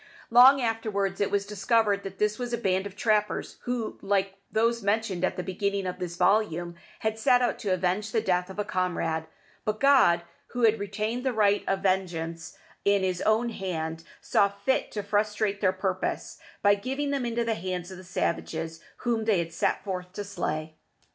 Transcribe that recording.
Long afterwards it was discovered that this was a band of trappers who, like those mentioned at the beginning of this volume, had set out to avenge the death of a comrade; but God, who has retained the right of vengeance in his own hand, saw fit to frustrate their purpose, by giving them into the hands of the savages whom they had set forth to slay.